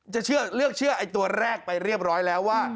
เลือกเชื่อไอ้ตัวแรกไปเรียบร้อยแล้วว่า